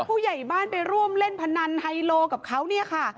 ผู้ใหญ่บ้านไปร่วมเล่นพนันไฮโลกับเขาเนี่ยค่ะ